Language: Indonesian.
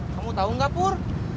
kamu tau gak pur